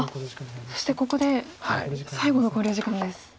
そしてここで最後の考慮時間です。